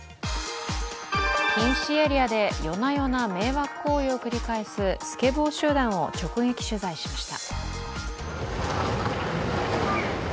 禁止エリアで夜な夜な迷惑行為を繰り返すスケボー集団を直撃取材しました。